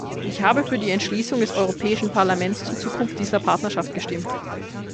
Ich habe für die Entschließung des Europäischen Parlaments zur Zukunft dieser Partnerschaft gestimmt.